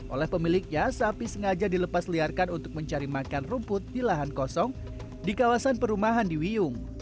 oleh pemiliknya sapi sengaja dilepas liarkan untuk mencari makan rumput di lahan kosong di kawasan perumahan di wiyung